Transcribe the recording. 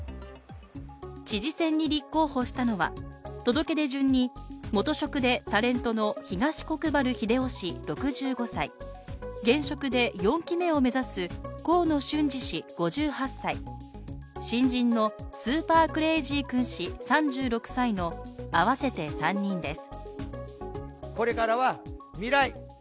知事選に立候補したのは届け出順に元職でタレントの東国原英夫氏６５歳、現職で４期目を目指す河野俊嗣氏５８歳、新人のスーパークレイジー君氏３６歳の合わせて３人です。